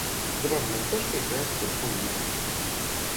Забавная кошка играет с клубком ниток.